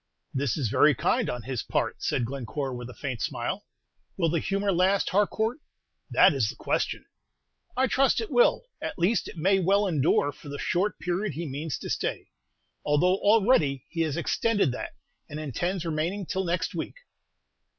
"This is very kind on his part," said Glencore, with a faint smile. "Will the humor last, Harcourt? That is the question." "I trust it will, at least it may well endure for the short period he means to stay; although already he has extended that, and intends remaining till next week."